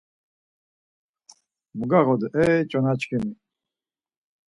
Mu gağodu, e çonaçkimi?